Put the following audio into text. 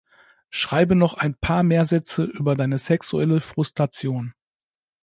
Schreibe noch ein paar mehr Sätze über deine sexuelle Frustation.